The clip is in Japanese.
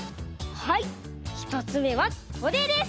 はいひとつめはこれです！